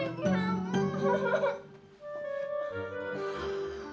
ya udah darah gone nih